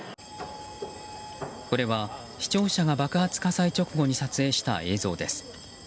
これは視聴者が爆発火災直後に撮影した映像です。